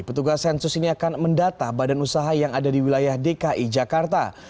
petugas sensus ini akan mendata badan usaha yang ada di wilayah dki jakarta